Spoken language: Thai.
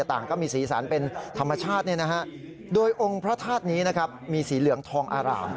ต่างก็มีสีสันเป็นธรรมชาติโดยองค์พระธาตุนี้นะครับมีสีเหลืองทองอาราม